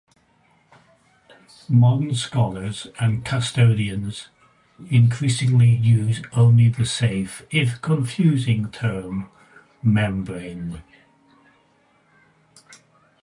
Modern scholars and custodians increasingly use only the safe, if confusing, term "membrane".